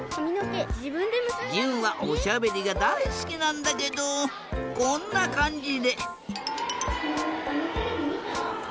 じゅんはおしゃべりがだいすきなんだけどこんなかんじで。